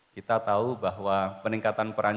kita tahu bahwa peningkatan peran